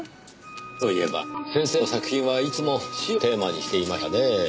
そういえば先生の作品はいつも死をテーマにしていましたね。